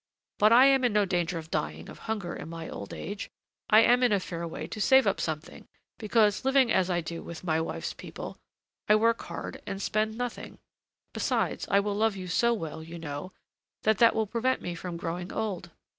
But I am in no danger of dying of hunger in my old age. I am in a fair way to save up something, because, living as I do with my wife's people, I work hard and spend nothing. Besides, I will love you so well, you know, that that will prevent me from growing old.